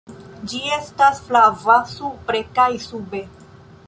Ĝi estas flava supre kaj sube.